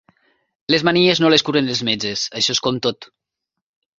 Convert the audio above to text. Les manies no les curen els metges, això és com tot.